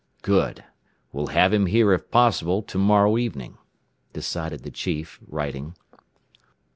"Good. We'll have him there if possible to morrow evening," decided the chief, writing.